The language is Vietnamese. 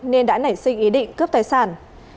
nên đã nảy sinh ý định cướp tài sản